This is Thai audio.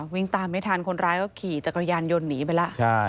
วิ่งตามไม่ทันคนร้ายก็ขี่จักรยานยนต์หนีไปแล้ว